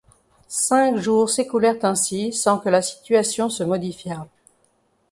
Cinq jours s’écoulèrent ainsi, sans que la situation se modifiât.